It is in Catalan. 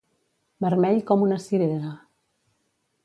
Vermell com una cirera.